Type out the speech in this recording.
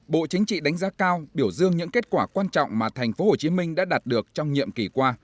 bộ chính trị đánh giá cao biểu dương những kết quả quan trọng mà thành phố hồ chí minh đã đạt được trong nhiệm kỳ qua